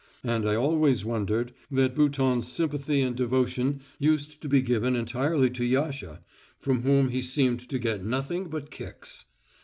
And I always wondered that Bouton's sympathy and devotion used to be given entirely to Yasha, from whom he seemed to get nothing but kicks.